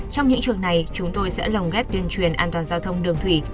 trong những trường này chúng tôi sẽ lồng ghép tuyên truyền an toàn giao thông đường thủy